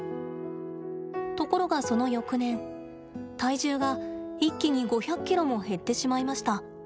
ところが、その翌年体重が一気に５００ｋｇも減ってしまいました。